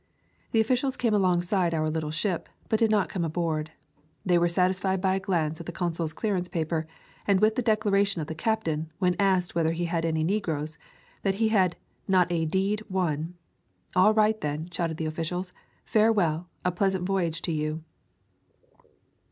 The offi cials came alongside our little ship, but did not come aboard. They were satisfied by a glance at the consul's clearance paper, and with the declaration of the captain, when asked whether he had any negroes, that he had "not a d——d one." "All right, then," shouted the officials, "farewell! A pleasant voyage to you!"